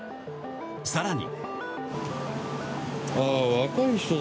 更に。